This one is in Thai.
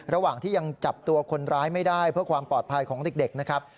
ระหว่างที่ยังจับตัวคนร้ายไม่ได้เพื่อความปลอดภัยของเด็กนะครับ